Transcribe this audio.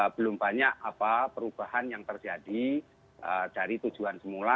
belum banyak perubahan yang terjadi dari tujuan semula